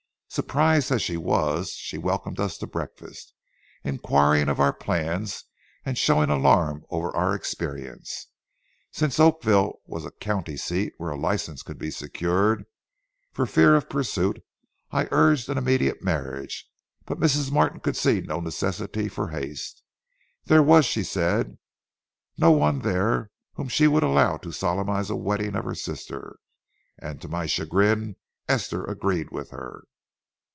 Surprised as she was, she welcomed us to breakfast, inquiring of our plans and showing alarm over our experience. Since Oakville was a county seat where a license could be secured, for fear of pursuit I urged an immediate marriage, but Mrs. Martin could see no necessity for haste. There was, she said, no one there whom she would allow to solemnize a wedding of her sister, and, to my chagrin, Esther agreed with her.